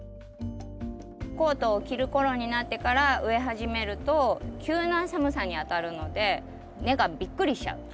コートを着る頃になってから植え始めると急な寒さにあたるので根がびっくりしちゃう。